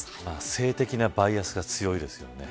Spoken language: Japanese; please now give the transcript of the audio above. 性的なバイアスが強いですよね